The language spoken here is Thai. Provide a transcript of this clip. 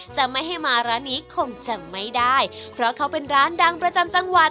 จะไม่ให้มาร้านนี้คงจะไม่ได้เพราะเขาเป็นร้านดังประจำจังหวัด